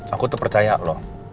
aku tuh percaya loh